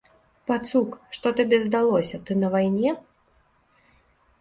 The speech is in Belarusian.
Пацук, што табе здалося, ты на вайне?